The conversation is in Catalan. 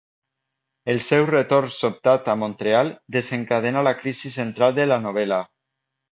El seu retorn sobtat a Montreal desencadena la crisi central de la novel·la.